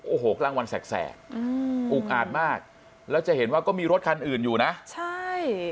โอ้โหกลางวันแสกอืมอุกอาดมากแล้วจะเห็นว่าก็มีรถคันอื่นอยู่นะใช่